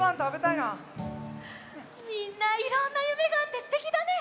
みんないろんなゆめがあってすてきだね！